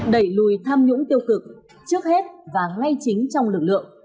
đẩy lùi tham nhũng tiêu cực trước hết và ngay chính trong lực lượng